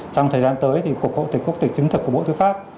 trong thời gian tới cục hội tịch quốc tịch chứng thực của bộ thứ pháp